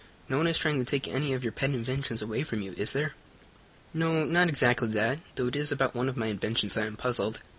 "No one is trying to take any of your pet inventions away from you, is there?" "No, not exactly that, though it is about one of my inventions I am puzzled.